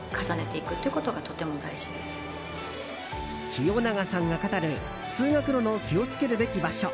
清永さんが語る通学路の気を付けるべき場所